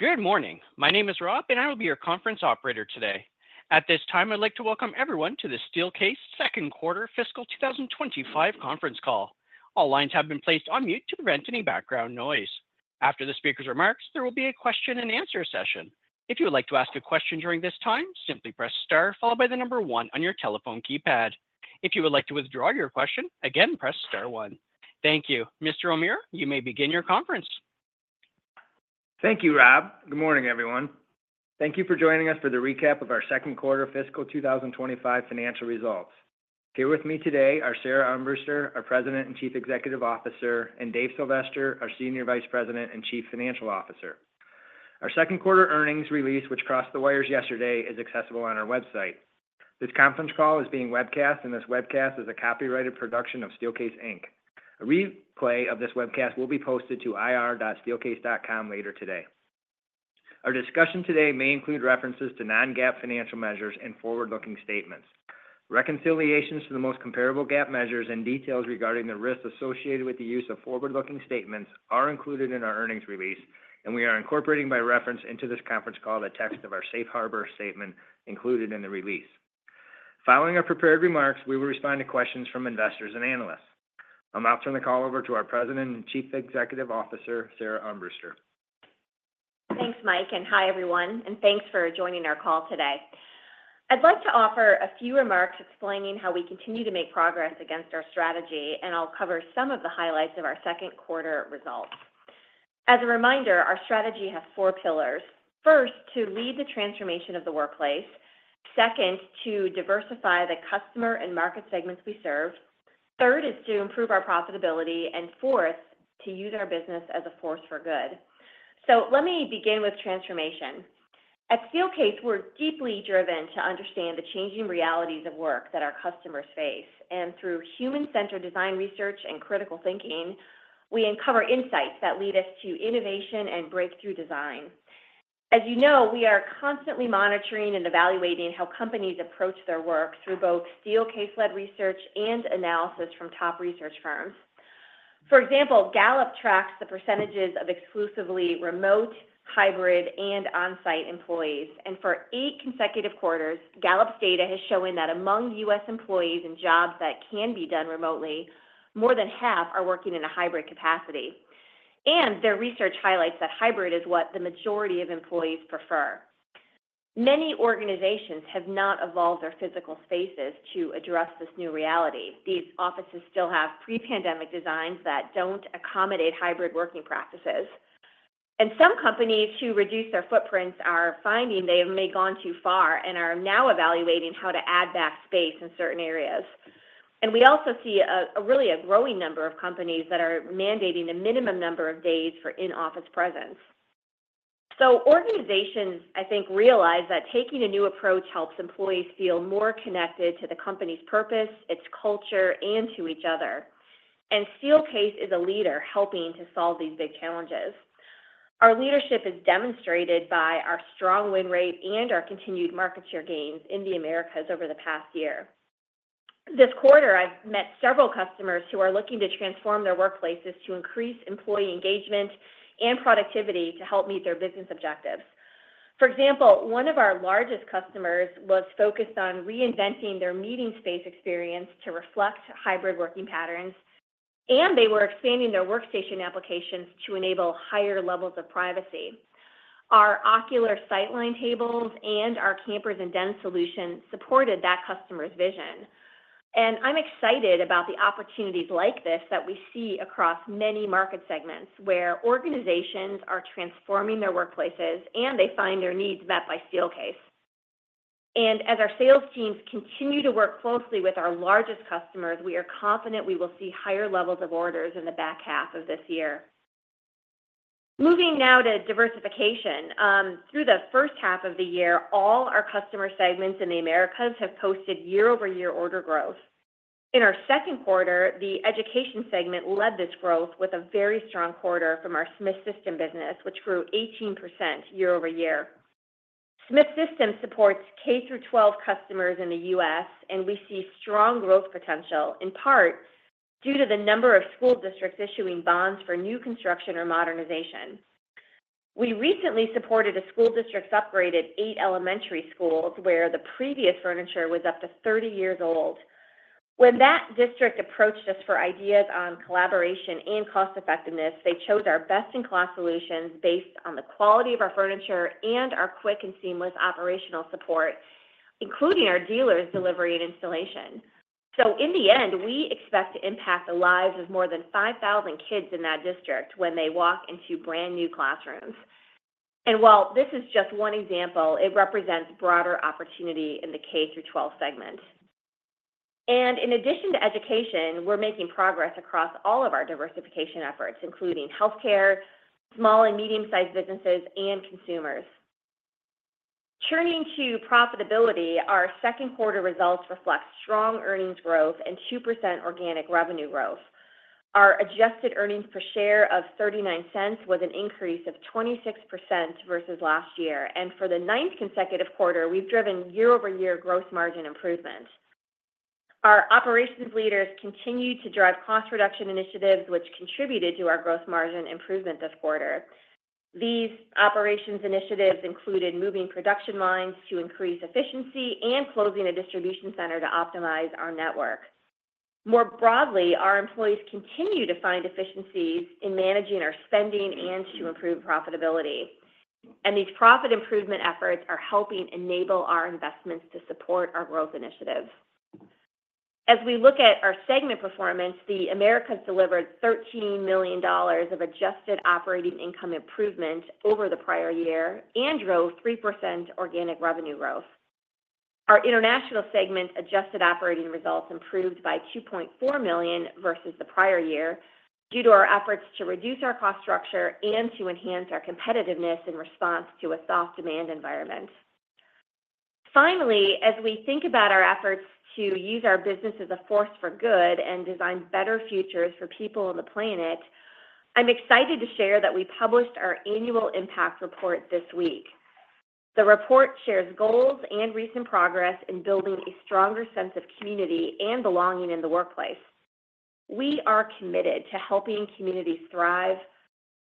Good morning. My name is Rob, and I will be your conference operator today. At this time, I'd like to welcome everyone to the Steelcase second quarter fiscal two thousand and twenty-five conference call. All lines have been placed on mute to prevent any background noise. After the speaker's remarks, there will be a question and answer session. If you would like to ask a question during this time, simply press star followed by the number one on your telephone keypad. If you would like to withdraw your question, again, press star one. Thank you. Mr. O'Meara, you may begin your conference. Thank you, Rob. Good morning, everyone. Thank you for joining us for the recap of our second quarter Fiscal 2025 financial results. Here with me today are Sara Armbruster, our President and Chief Executive Officer, and David Sylvester, our Senior Vice President and Chief Financial Officer. Our second quarter earnings release, which crossed the wires yesterday, is accessible on our website. This conference call is being webcast, and this webcast is a copyrighted production of Steelcase Inc. A replay of this webcast will be posted to ir.steelcase.com later today. Our discussion today may include references to non-GAAP financial measures and forward-looking statements. Reconciliations to the most comparable GAAP measures and details regarding the risks associated with the use of forward-looking statements are included in our earnings release, and we are incorporating by reference into this conference call the text of our Safe Harbor Statement included in the release. Following our prepared remarks, we will respond to questions from investors and analysts. I'll now turn the call over to our President and Chief Executive Officer, Sara Armbruster. Thanks, Mike, and hi, everyone, and thanks for joining our call today. I'd like to offer a few remarks explaining how we continue to make progress against our strategy, and I'll cover some of the highlights of our second quarter results. As a reminder, our strategy has four pillars. First, to lead the transformation of the workplace. Second, to diversify the customer and market segments we serve. Third is to improve our profitability, and fourth, to use our business as a force for good. So let me begin with transformation. At Steelcase, we're deeply driven to understand the changing realities of work that our customers face, and through human-centered design research and critical thinking, we uncover insights that lead us to innovation and breakthrough design. As you know, we are constantly monitoring and evaluating how companies approach their work through both Steelcase-led research and analysis from top research firms. For example, Gallup tracks the percentages of exclusively remote, hybrid, and on-site employees, and for eight consecutive quarters, Gallup's data has shown that among U.S. employees in jobs that can be done remotely, more than half are working in a hybrid capacity, and their research highlights that hybrid is what the majority of employees prefer. Many organizations have not evolved their physical spaces to address this new reality. These offices still have pre-pandemic designs that don't accommodate hybrid working practices, and some companies, to reduce their footprints, are finding they may have gone too far and are now evaluating how to add back space in certain areas, and we also see a really growing number of companies that are mandating a minimum number of days for in-office presence. So organizations, I think, realize that taking a new approach helps employees feel more connected to the company's purpose, its culture, and to each other, and Steelcase is a leader helping to solve these big challenges. Our leadership is demonstrated by our strong win rate and our continued market share gains in the Americas over the past year. This quarter, I've met several customers who are looking to transform their workplaces to increase employee engagement and productivity to help meet their business objectives. For example, one of our largest customers was focused on reinventing their meeting space experience to reflect hybrid working patterns, and they were expanding their workstation applications to enable higher levels of privacy. Our Ocular sightline tables and our Campers&Dens solution supported that customer's vision. I'm excited about the opportunities like this that we see across many market segments, where organizations are transforming their workplaces, and they find their needs met by Steelcase. As our sales teams continue to work closely with our largest customers, we are confident we will see higher levels of orders in the back half of this year. Moving now to diversification. Through the first half of the year, all our customer segments in the Americas have posted year-over-year order growth. In our second quarter, the education segment led this growth with a very strong quarter from our Smith System business, which grew 18% year-over-year. Smith System supports K through twelve customers in the U.S., and we see strong growth potential, in part, due to the number of school districts issuing bonds for new construction or modernization. We recently supported a school district's upgraded eight elementary schools, where the previous furniture was up to 30 years old. When that district approached us for ideas on collaboration and cost-effectiveness, they chose our best-in-class solutions based on the quality of our furniture and our quick and seamless operational support, including our dealers' delivery and installation. So in the end, we expect to impact the lives of more than 5,000 kids in that district when they walk into brand-new classrooms. And while this is just one example, it represents broader opportunity in the K-12 segment. And in addition to education, we're making progress across all of our diversification efforts, including healthcare, small and medium-sized businesses, and consumers. Turning to profitability, our second quarter results reflect strong earnings growth and 2% organic revenue growth. Our adjusted earnings per share of $0.39 was an increase of 26% versus last year. And for the ninth consecutive quarter, we've driven year-over-year gross margin improvement... Our operations leaders continued to drive cost reduction initiatives, which contributed to our gross margin improvement this quarter. These operations initiatives included moving production lines to increase efficiency and closing a distribution center to optimize our network. More broadly, our employees continue to find efficiencies in managing our spending and to improve profitability. And these profit improvement efforts are helping enable our investments to support our growth initiatives. As we look at our segment performance, the Americas delivered $13 million of adjusted operating income improvement over the prior year and drove 3% organic revenue growth. Our international segment adjusted operating results improved by $2.4 million versus the prior year, due to our efforts to reduce our cost structure and to enhance our competitiveness in response to a soft demand environment. Finally, as we think about our efforts to use our business as a force for good and design better futures for people on the planet, I'm excited to share that we published our annual impact report this week. The report shares goals and recent progress in building a stronger sense of community and belonging in the workplace. We are committed to helping communities thrive,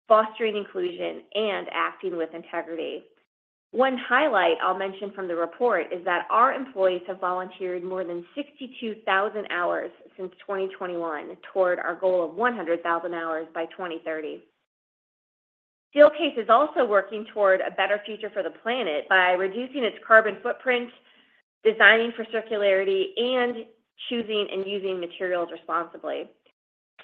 fostering inclusion, and acting with integrity. One highlight I'll mention from the report is that our employees have volunteered more than 62,000 hours since 2021 toward our goal of 100,000 hours by 2030. Steelcase is also working toward a better future for the planet by reducing its carbon footprint, designing for circularity, and choosing and using materials responsibly.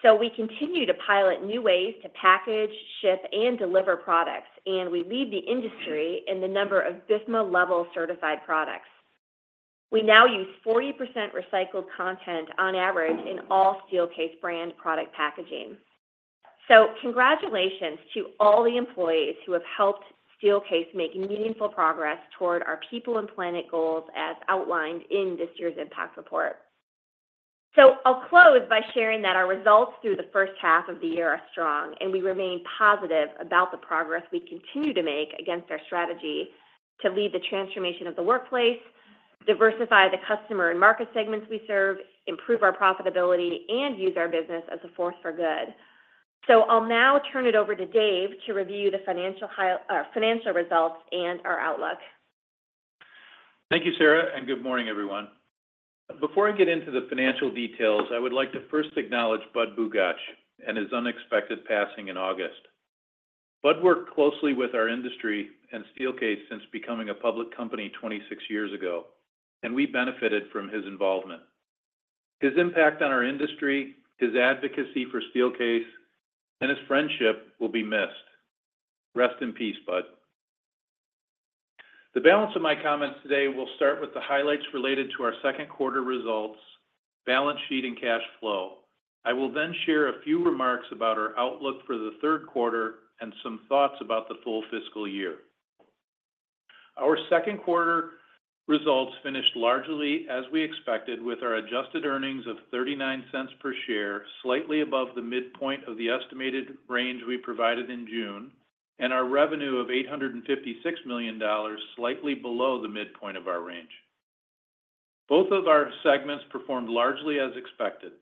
So we continue to pilot new ways to package, ship, and deliver products, and we lead the industry in the number of BIFMA LEVEL certified products. We now use 40% recycled content on average in all Steelcase brand product packaging. So congratulations to all the employees who have helped Steelcase make meaningful progress toward our people and planet goals as outlined in this year's impact report. So I'll close by sharing that our results through the first half of the year are strong, and we remain positive about the progress we continue to make against our strategy to lead the transformation of the workplace, diversify the customer and market segments we serve, improve our profitability, and use our business as a force for good. So I'll now turn it over to David to review the financial results and our outlook. Thank you, Sara, and good morning, everyone. Before I get into the financial details, I would like to first acknowledge Rex Henderson and his unexpected passing in August. Rex worked closely with our industry and Steelcase since becoming a public company twenty-six years ago, and we benefited from his involvement. His impact on our industry, his advocacy for Steelcase, and his friendship will be missed. Rest in peace, Rex. The balance of my comments today will start with the highlights related to our second quarter results, balance sheet, and cash flow. I will then share a few remarks about our outlook for the third quarter and some thoughts about the full fiscal year. Our second quarter results finished largely as we expected, with our adjusted earnings of $0.39 per share, slightly above the midpoint of the estimated range we provided in June, and our revenue of $856 million, slightly below the midpoint of our range. Both of our segments performed largely as expected.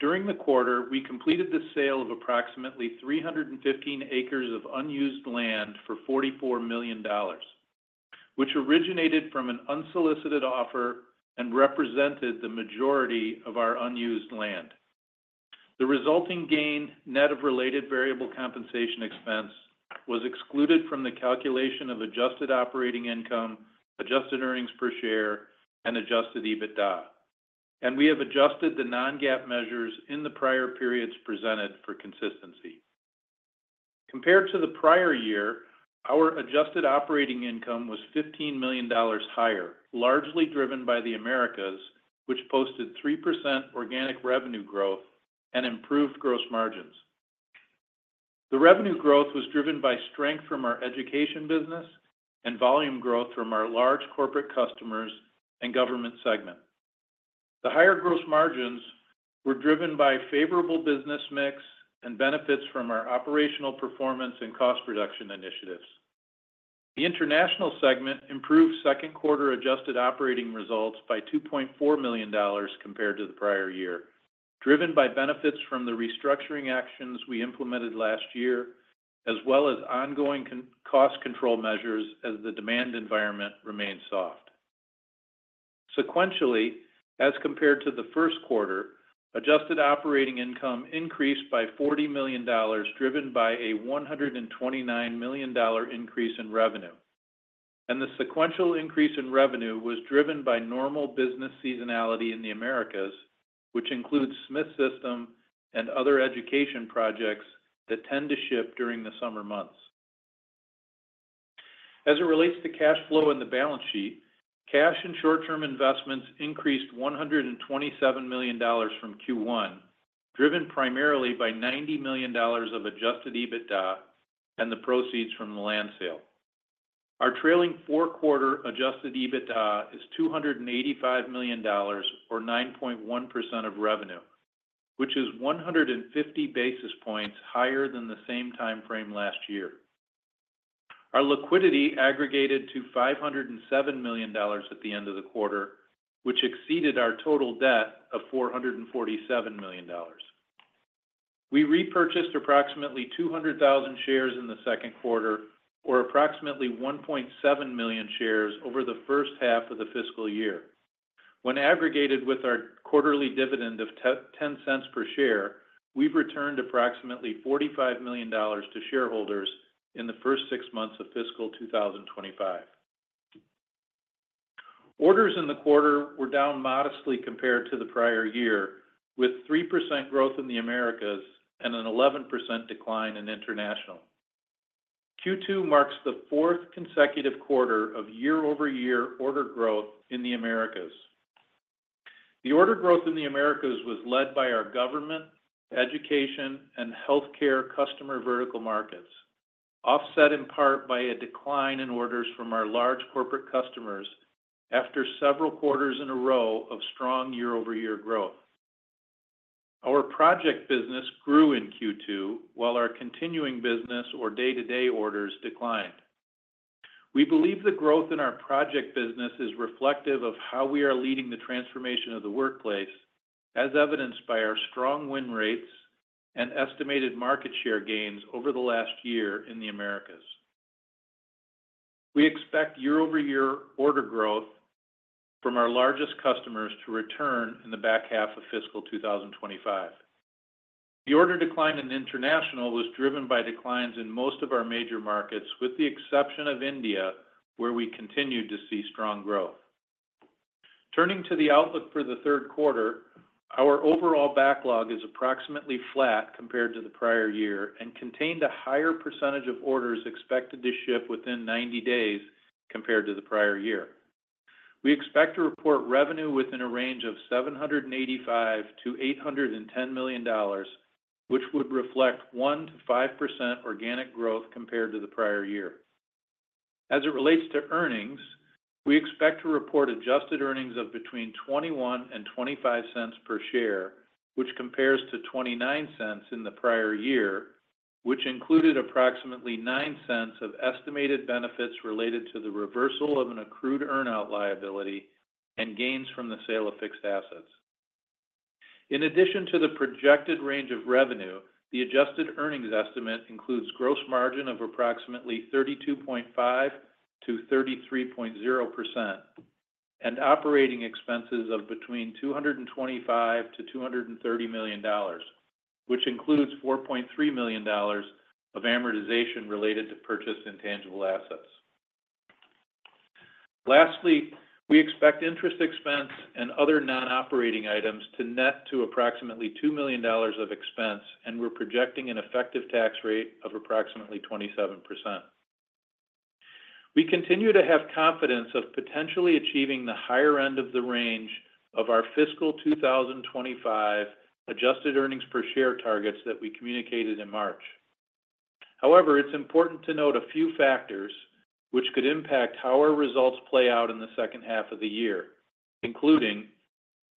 During the quarter, we completed the sale of approximately 315 acres of unused land for $44 million, which originated from an unsolicited offer and represented the majority of our unused land. The resulting gain, net of related variable compensation expense, was excluded from the calculation of adjusted operating income, adjusted earnings per share, and adjusted EBITDA, and we have adjusted the non-GAAP measures in the prior periods presented for consistency. Compared to the prior year, our adjusted operating income was $15 million higher, largely driven by the Americas, which posted 3% organic revenue growth and improved gross margins. The revenue growth was driven by strength from our education business and volume growth from our large corporate customers and government segment. The higher gross margins were driven by favorable business mix and benefits from our operational performance and cost reduction initiatives. The international segment improved second quarter adjusted operating results by $2.4 million compared to the prior year, driven by benefits from the restructuring actions we implemented last year, as well as ongoing cost control measures as the demand environment remained soft. Sequentially, as compared to the first quarter, adjusted operating income increased by $40 million, driven by a $129 million increase in revenue. The sequential increase in revenue was driven by normal business seasonality in the Americas, which includes Smith System and other education projects that tend to ship during the summer months. As it relates to cash flow in the balance sheet, cash and short-term investments increased $127 million from Q1, driven primarily by $90 million of adjusted EBITDA and the proceeds from the land sale. Our trailing four-quarter adjusted EBITDA is $285 million, or 9.1% of revenue, which is 150 basis points higher than the same time frame last year. Our liquidity aggregated to $507 million at the end of the quarter, which exceeded our total debt of $447 million. We repurchased approximately 200,000 shares in the second quarter, or approximately 1.7 million shares over the first half of the fiscal year. When aggregated with our quarterly dividend of $0.10 per share, we've returned approximately $45 million to shareholders in the first six months of fiscal 2025. Orders in the quarter were down modestly compared to the prior year, with 3% growth in the Americas and an 11% decline in international. Q2 marks the fourth consecutive quarter of year-over-year order growth in the Americas. The order growth in the Americas was led by our government, education, and healthcare customer vertical markets, offset in part by a decline in orders from our large corporate customers after several quarters in a row of strong year-over-year growth. Our project business grew in Q2, while our continuing business or day-to-day orders declined. We believe the growth in our project business is reflective of how we are leading the transformation of the workplace, as evidenced by our strong win rates and estimated market share gains over the last year in the Americas. We expect year-over-year order growth from our largest customers to return in the back half of Fiscal 2025. The order decline in international was driven by declines in most of our major markets, with the exception of India, where we continued to see strong growth. Turning to the outlook for the third quarter, our overall backlog is approximately flat compared to the prior year and contained a higher percentage of orders expected to ship within 90 days compared to the prior year. We expect to report revenue within a range of $785 million-$810 million, which would reflect 1%-5% organic growth compared to the prior year. As it relates to earnings, we expect to report adjusted earnings of between $0.21 and $0.25 per share, which compares to $0.29 in the prior year, which included approximately $0.09 of estimated benefits related to the reversal of an accrued earn-out liability and gains from the sale of fixed assets. In addition to the projected range of revenue, the adjusted earnings estimate includes gross margin of approximately 32.5%-33.0%, and operating expenses of between $225 million-$230 million, which includes $4.3 million of amortization related to purchased intangible assets. Lastly, we expect interest expense and other non-operating items to net to approximately $2 million of expense, and we're projecting an effective tax rate of approximately 27%. We continue to have confidence of potentially achieving the higher end of the range of our Fiscal 2025 adjusted earnings per share targets that we communicated in March. However, it's important to note a few factors which could impact how our results play out in the second half of the year, including: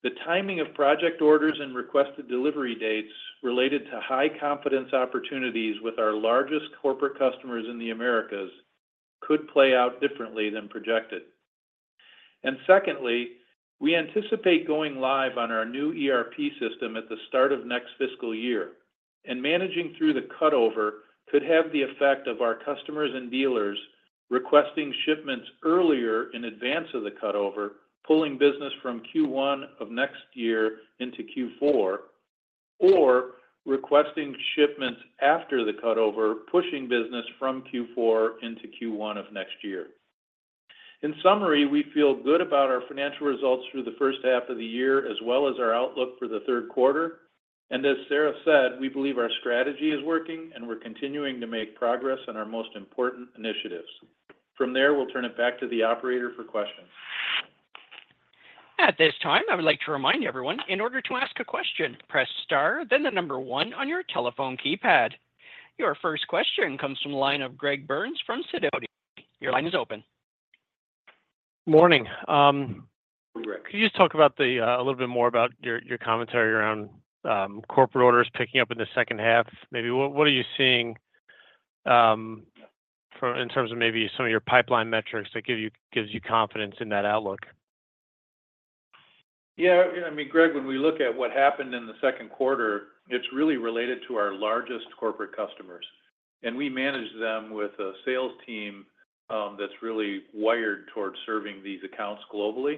the timing of project orders and requested delivery dates related to high-confidence opportunities with our largest corporate customers in the Americas could play out differently than projected. Secondly, we anticipate going live on our new ERP system at the start of next fiscal year, and managing through the cutover could have the effect of our customers and dealers requesting shipments earlier in advance of the cutover, pulling business from Q1 of next year into Q4, or requesting shipments after the cutover, pushing business from Q4 into Q1 of next year. In summary, we feel good about our financial results through the first half of the year, as well as our outlook for the third quarter. As Sara said, we believe our strategy is working, and we're continuing to make progress on our most important initiatives. From there, we'll turn it back to the operator for questions. At this time, I would like to remind everyone, in order to ask a question, press star, then the number one on your telephone keypad. Your first question comes from the line of Gregory Burns from Sidoti. Your line is open. Morning. Um- Hey, Greg. Could you just talk about the a little bit more about your commentary around corporate orders picking up in the second half? Maybe what are you seeing from in terms of maybe some of your pipeline metrics that gives you confidence in that outlook? Yeah, I mean, Gregory, when we look at what happened in the second quarter, it's really related to our largest corporate customers, and we manage them with a sales team, that's really wired towards serving these accounts globally.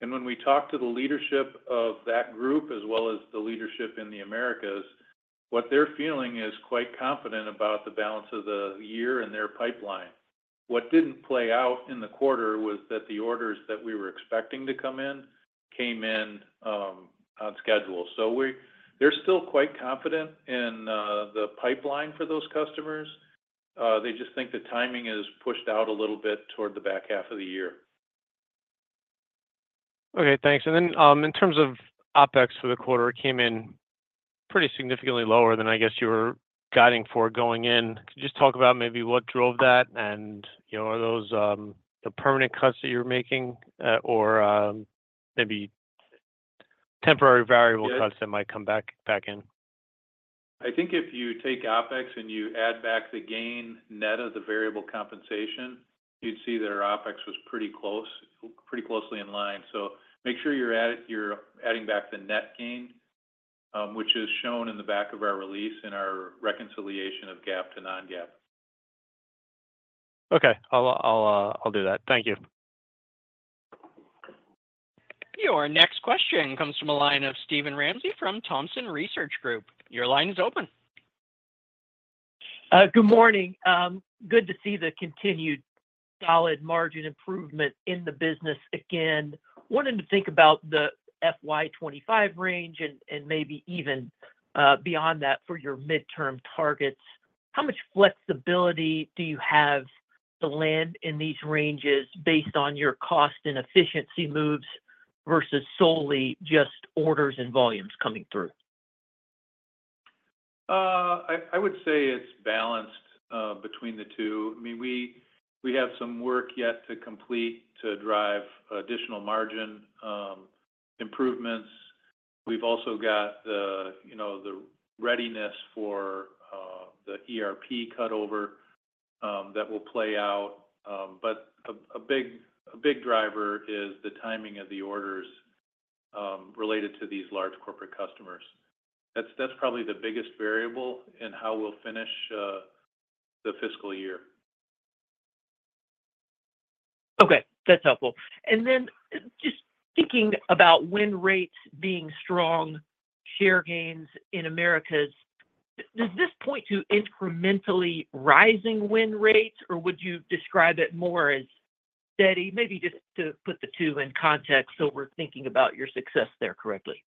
And when we talk to the leadership of that group, as well as the leadership in the Americas, what they're feeling is quite confident about the balance of the year and their pipeline. What didn't play out in the quarter was that the orders that we were expecting to come in, came in, on schedule. So they're still quite confident in, the pipeline for those customers. They just think the timing is pushed out a little bit toward the back half of the year. Okay, thanks. And then, in terms of OpEx for the quarter, it came in pretty significantly lower than I guess you were guiding for going in. Could you just talk about maybe what drove that and, you know, are those, the permanent cuts that you're making, or, maybe-... temporary variable costs that might come back in? I think if you take OpEx and you add back the gain net of the variable compensation, you'd see that our OpEx was pretty close, pretty closely in line. So make sure you're adding back the net gain, which is shown in the back of our release in our reconciliation of GAAP to non-GAAP. Okay. I'll do that. Thank you. Your next question comes from the line of Steven Ramsey from Thompson Research Group. Your line is open. Good morning. Good to see the continued solid margin improvement in the business again. Wanted to think about the FY 2025 range and maybe even beyond that for your midterm targets. How much flexibility do you have to land in these ranges based on your cost and efficiency moves, versus solely just orders and volumes coming through? I would say it's balanced between the two. I mean, we have some work yet to complete to drive additional margin improvements. We've also got the, you know, the readiness for the ERP cutover that will play out. But a big driver is the timing of the orders related to these large corporate customers. That's probably the biggest variable in how we'll finish the fiscal year. Okay, that's helpful. And then just thinking about win rates being strong, share gains in Americas, does this point to incrementally rising win rates, or would you describe it more as steady? Maybe just to put the two in context so we're thinking about your success there correctly.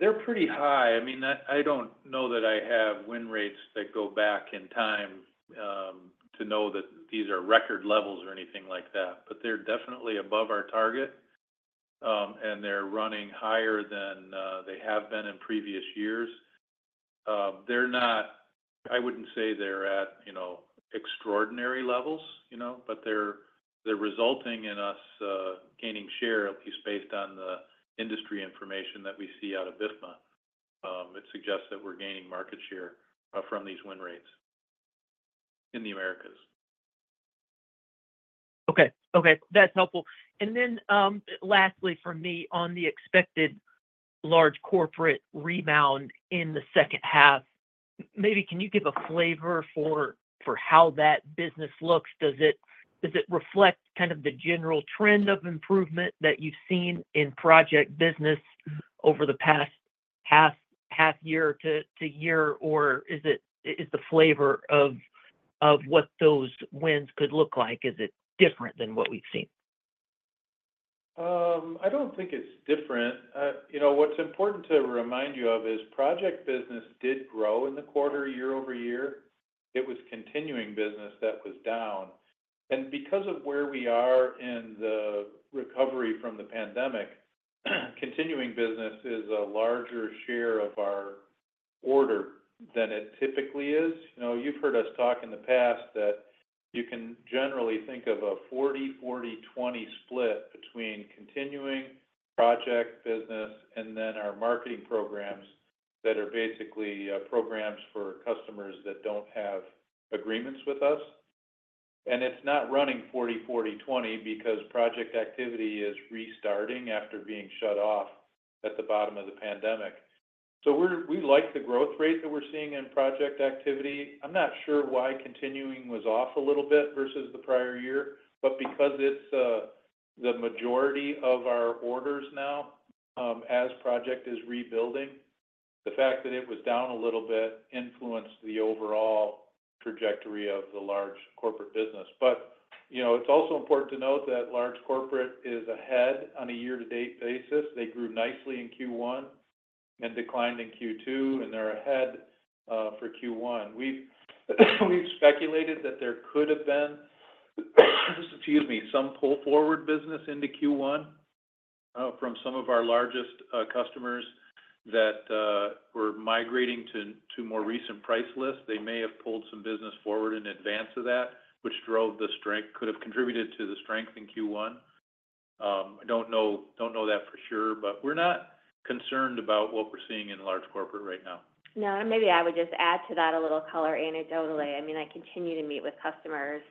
They're pretty high. I mean, I don't know that I have win rates that go back in time to know that these are record levels or anything like that, but they're definitely above our target. They're running higher than they have been in previous years. They're not. I wouldn't say they're at, you know, extraordinary levels, you know, but they're resulting in us gaining share, at least based on the industry information that we see out of BIFMA. It suggests that we're gaining market share from these win rates in the Americas. Okay. Okay, that's helpful. And then, lastly for me, on the expected large corporate rebound in the second half, maybe can you give a flavor for how that business looks? Does it reflect kind of the general trend of improvement that you've seen in project business over the past half year to year? Or is the flavor of what those wins could look like different than what we've seen? I don't think it's different. You know, what's important to remind you of is project business did grow in the quarter year-over-year. It was continuing business that was down. And because of where we are in the recovery from the pandemic, continuing business is a larger share of our order than it typically is. You know, you've heard us talk in the past that you can generally think of a 40/40/20 split between continuing business, project business and then our marketing programs that are basically programs for customers that don't have agreements with us. And it's not running 40/40/20 because project activity is restarting after being shut off at the bottom of the pandemic. So we like the growth rate that we're seeing in project activity. I'm not sure why continuing was off a little bit versus the prior year, but because it's the majority of our orders now, as project is rebuilding, the fact that it was down a little bit influenced the overall trajectory of the large corporate business, but you know, it's also important to note that large corporate is ahead on a year-to-date basis. They grew nicely in Q1 and declined in Q2, and they're ahead for Q1. We've speculated that there could have been some pull-forward business into Q1 from some of our largest customers that were migrating to more recent price lists. They may have pulled some business forward in advance of that, which drove the strength could have contributed to the strength in Q1. I don't know that for sure, but we're not concerned about what we're seeing in large corporate right now. No, and maybe I would just add to that a little color anecdotally. I mean, I continue to meet with customers,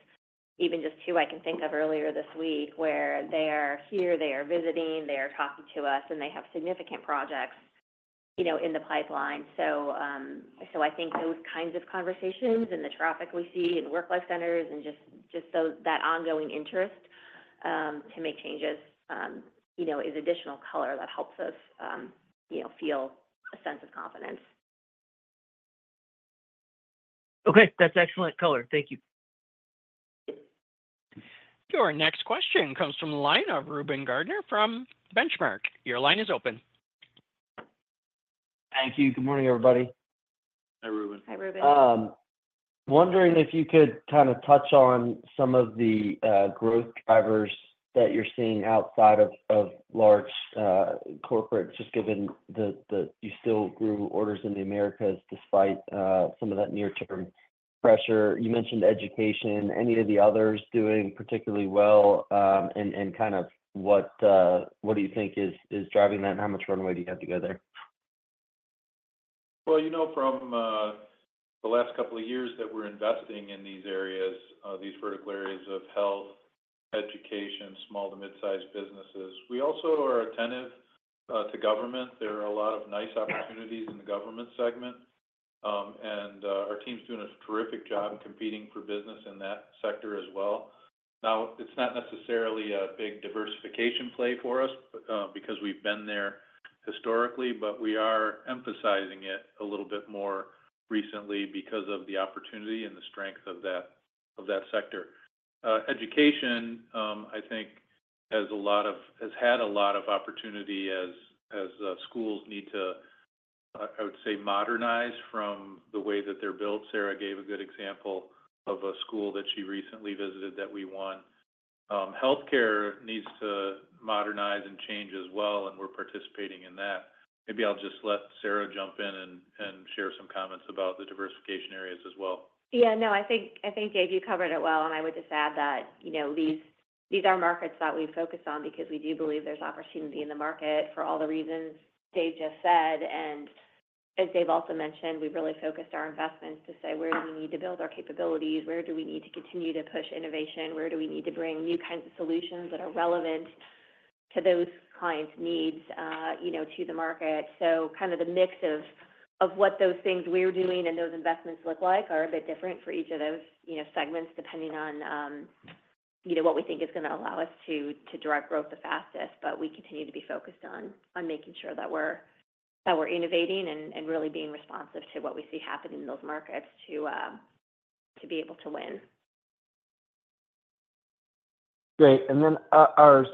even just two I can think of earlier this week, where they are here, they are visiting, they are talking to us, and they have significant projects, you know, in the pipeline. So, I think those kinds of conversations and the traffic we see in WorkLife Centers and just that ongoing interest to make changes, you know, is additional color that helps us, you know, feel a sense of confidence. Okay. That's excellent color. Thank you. Your next question comes from the line of Reuben Garner from Benchmark. Your line is open. Thank you. Good morning, everybody. Hi, Reuben. Hi, Reuben. Wondering if you could kind of touch on some of the growth drivers that you're seeing outside of large corporates, just given you still grew orders in the Americas despite some of that near-term pressure. You mentioned education. Any of the others doing particularly well, and kind of what do you think is driving that, and how much runway do you have to go there? You know, from the last couple of years that we're investing in these areas, these vertical areas of health, education, small to mid-sized businesses, we also are attentive to government. There are a lot of nice opportunities in the government segment, and our team's doing a terrific job competing for business in that sector as well. Now, it's not necessarily a big diversification play for us, because we've been there historically, but we are emphasizing it a little bit more recently because of the opportunity and the strength of that sector. Education, I think has a lot of - has had a lot of opportunity as schools need to, I would say modernize from the way that they're built. Sara gave a good example of a school that she recently visited that we won. Healthcare needs to modernize and change as well, and we're participating in that. Maybe I'll just let Sara jump in and share some comments about the diversification areas as well. Yeah, no, I think, David, you covered it well, and I would just add that, you know, these are markets that we focus on because we do believe there's opportunity in the market for all the reasons David just said. And as David also mentioned, we've really focused our investments to say, where do we need to build our capabilities? Where do we need to continue to push innovation? Where do we need to bring new kinds of solutions that are relevant to those clients' needs, you know, to the market? So kind of the mix of what those things we're doing and those investments look like are a bit different for each of those, you know, segments, depending on, you know, what we think is gonna allow us to drive growth the fastest. But we continue to be focused on making sure that we're innovating and really being responsive to what we see happening in those markets to be able to win. Great. And then our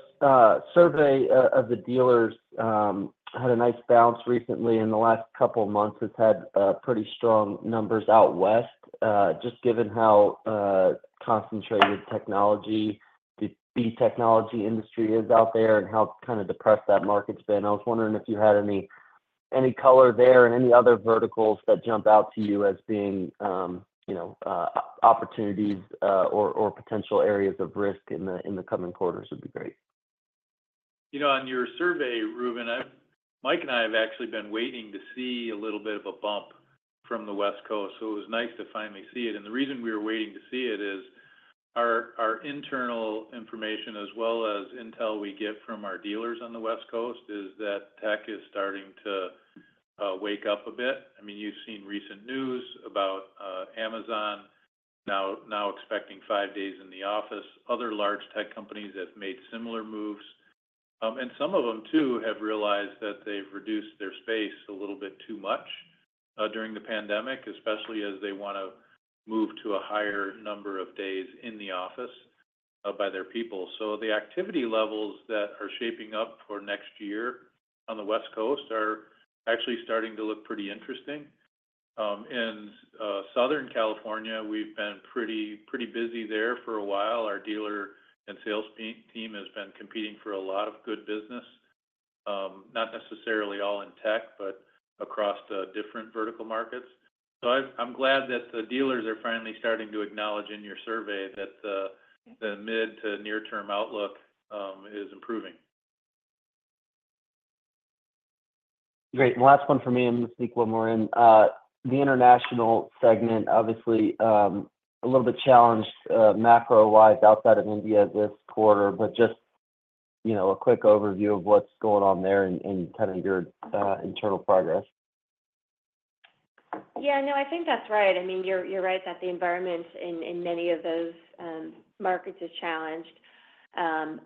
survey of the dealers had a nice bounce recently. In the last couple of months, it's had pretty strong numbers out west. Just given how concentrated the technology industry is out there and how kind of depressed that market's been, I was wondering if you had any color there and any other verticals that jump out to you as being, you know, opportunities or potential areas of risk in the coming quarters would be great. You know, on your survey, Reuben, I've, Mike and I have actually been waiting to see a little bit of a bump from the West Coast, so it was nice to finally see it, and the reason we were waiting to see it is, our internal information, as well as intel we get from our dealers on the West Coast, is that tech is starting to wake up a bit. I mean, you've seen recent news about Amazon now expecting five days in the office. Other large tech companies have made similar moves, and some of them, too, have realized that they've reduced their space a little bit too much during the pandemic, especially as they want to move to a higher number of days in the office by their people. So the activity levels that are shaping up for next year on the West Coast are actually starting to look pretty interesting. In Southern California, we've been pretty busy there for a while. Our dealer and sales team has been competing for a lot of good business, not necessarily all in tech, but across the different vertical markets. So I'm glad that the dealers are finally starting to acknowledge in your survey that the mid to near-term outlook is improving. Great. Last one for me, and then we'll sneak one more in. The international segment, obviously, a little bit challenged, macro-wise outside of India this quarter, but just, you know, a quick overview of what's going on there and kind of your internal progress. Yeah, no, I think that's right. I mean, you're right that the environment in many of those markets is challenged,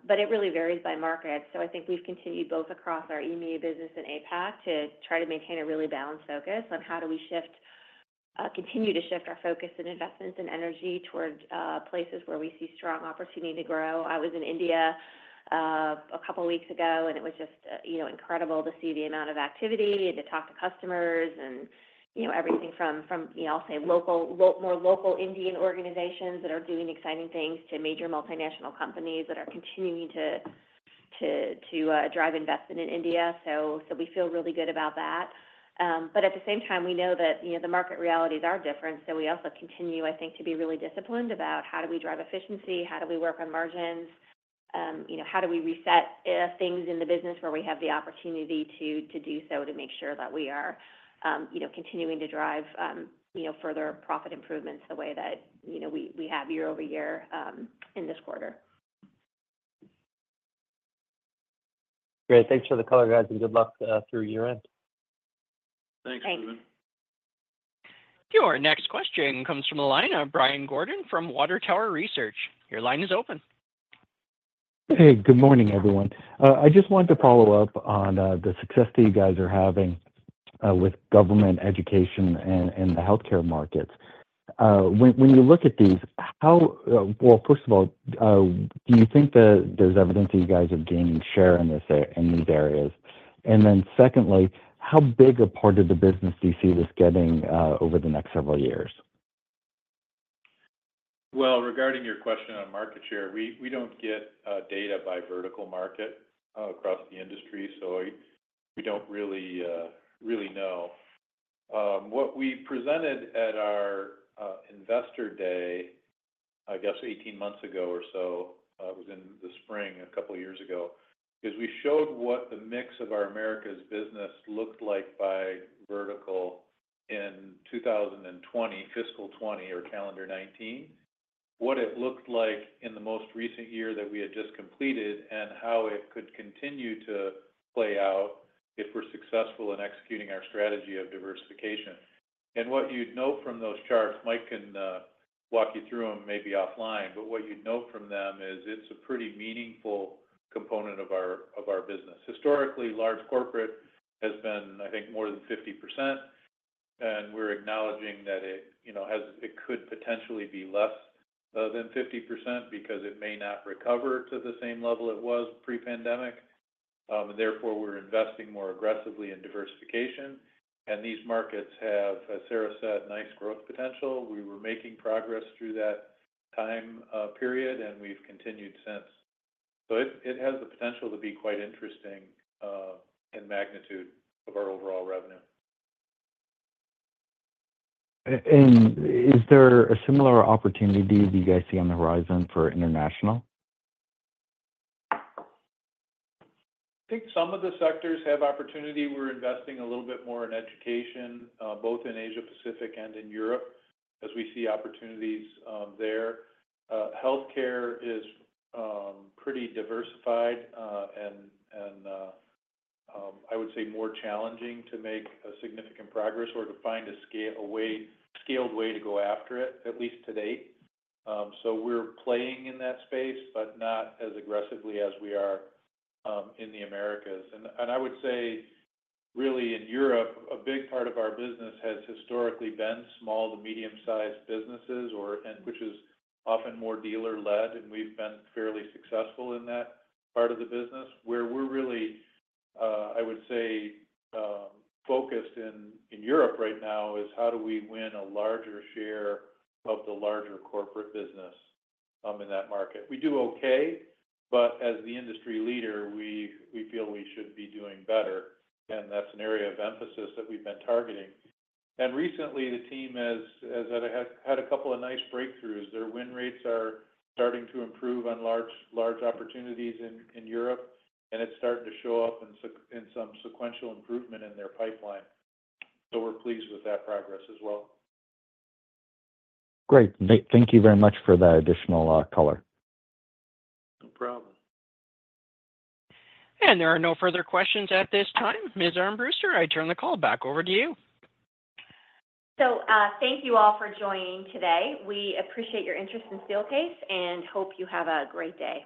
but it really varies by market. So I think we've continued both across our EMEA business and APAC to try to maintain a really balanced focus on how do we shift, continue to shift our focus and investments and energy towards places where we see strong opportunity to grow. I was in India a couple of weeks ago, and it was just, you know, incredible to see the amount of activity and to talk to customers and, you know, everything from, you know, I'll say more local Indian organizations that are doing exciting things, to major multinational companies that are continuing to drive investment in India. So we feel really good about that. But at the same time, we know that, you know, the market realities are different, so we also continue, I think, to be really disciplined about how do we drive efficiency, how do we work on margins, you know, how do we reset things in the business where we have the opportunity to do so, to make sure that we are, you know, continuing to drive, you know, further profit improvements the way that, you know, we have year-over-year, in this quarter. Great. Thanks for the color, guys, and good luck through year-end. Thanks, Reuben. Thanks. Your next question comes from the line of Budd Bugatch from Water Tower Research. Your line is open. Hey, good morning, everyone. I just wanted to follow up on the success that you guys are having with government education and the healthcare markets. When you look at these, how... Well, first of all, do you think that there's evidence that you guys are gaining share in this in these areas? And then secondly, how big a part of the business do you see this getting over the next several years?... Regarding your question on market share, we don't get data by vertical market across the industry, so we don't really know. What we presented at our investor day, I guess eighteen months ago or so, it was in the spring a couple years ago, is we showed what the mix of our Americas business looked like by vertical in 2020, fiscal 2020 or calendar 2019. What it looked like in the most recent year that we had just completed, and how it could continue to play out if we're successful in executing our strategy of diversification. What you'd note from those charts, Mike can walk you through them maybe offline, but what you'd note from them is it's a pretty meaningful component of our business. Historically, large corporate has been, I think, more than 50%, and we're acknowledging that it, you know, has, it could potentially be less than 50% because it may not recover to the same level it was pre-pandemic. And therefore, we're investing more aggressively in diversification. And these markets have, as Sara said, nice growth potential. We were making progress through that time period, and we've continued since. So it has the potential to be quite interesting in magnitude of our overall revenue. Is there a similar opportunity do you guys see on the horizon for international? I think some of the sectors have opportunity. We're investing a little bit more in education, both in Asia Pacific and in Europe, as we see opportunities, there. Healthcare is pretty diversified, and I would say more challenging to make a significant progress or to find a scaled way to go after it, at least to date. So we're playing in that space, but not as aggressively as we are, in the Americas. I would say really in Europe, a big part of our business has historically been small to medium-sized businesses which is often more dealer-led, and we've been fairly successful in that part of the business. Where we're really, I would say, focused in Europe right now, is how do we win a larger share of the larger corporate business, in that market? We do okay, but as the industry leader, we feel we should be doing better, and that's an area of emphasis that we've been targeting, and recently, the team has had a couple of nice breakthroughs. Their win rates are starting to improve on large opportunities in Europe, and it's starting to show up in some sequential improvement in their pipeline, so we're pleased with that progress as well. Great. Thank you very much for that additional color. No problem. And there are no further questions at this time. Ms. Armbruster, I turn the call back over to you. Thank you all for joining today. We appreciate your interest in Steelcase and hope you have a great day.